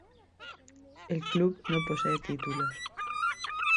El club no posee títulos.